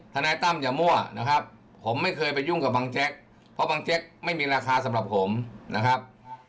นายตั้มอย่ามั่วนะครับผมไม่เคยไปยุ่งกับบังแจ๊กเพราะบังแจ๊กไม่มีราคาสำหรับผมนะครับ